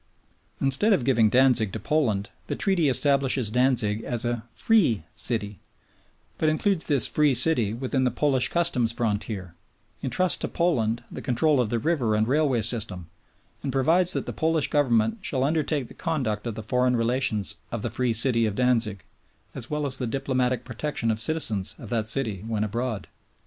Instead of giving Danzig to Poland, the Treaty establishes Danzig as a "Free" City, but includes this "Free" City within the Polish Customs frontier, entrusts to Poland the control of the river and railway system, and provides that "the Polish Government shall undertake the conduct of the foreign relations of the Free City of Danzig as well as the diplomatic protection of citizens of that city when abroad."